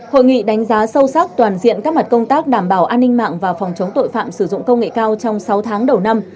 hội nghị đánh giá sâu sắc toàn diện các mặt công tác đảm bảo an ninh mạng và phòng chống tội phạm sử dụng công nghệ cao trong sáu tháng đầu năm